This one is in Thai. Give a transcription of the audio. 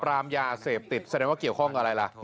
รามยาเสพติดแสดงว่าเกี่ยวข้องกับอะไรล่ะ